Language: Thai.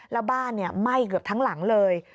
แล้วบ้านไหม้เกือบทั้งหลังเลย